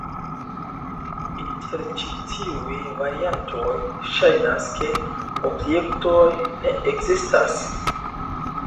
Inter ĉi tiuj variantoj ŝajnas ke objektoj ne ekzistas.